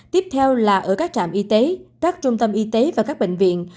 tiếp theo là ở các trạm y tế các trung tâm y tế và các bệnh viện